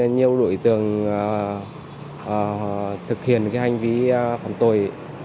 nhiều đối tượng thực hiện hành vi phạm tội